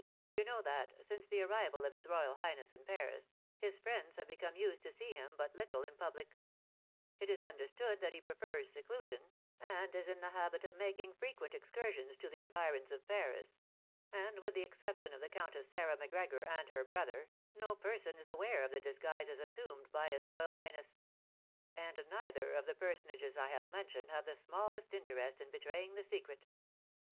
You know that, since the arrival of his royal highness in Paris, his friends have become used to see him but little in public; it is understood that he prefers seclusion, and is in the habit of making frequent excursions to the environs of Paris, and, with the exception of the Countess Sarah Macgregor and her brother, no person is aware of the disguises assumed by his royal highness; and neither of the personages I have mentioned have the smallest interest in betraying the secret."